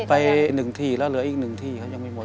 หมดไปหนึ่งที่แล้วเหลืออีกหนึ่งที่เขายังไม่หมด